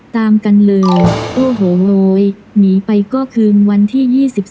ตามกันเลยโอ้โหหนีไปก็คืนวันที่๒๒